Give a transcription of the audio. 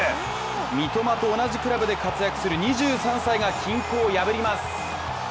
三笘と同じクラブで活躍する２３歳が均衡を破ります。